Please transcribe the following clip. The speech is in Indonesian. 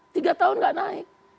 tiga tahun nggak naik